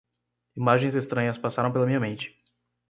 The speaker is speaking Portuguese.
Imagens estranhas passaram pela minha mente.